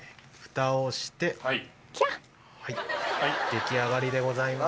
出来上がりでございます。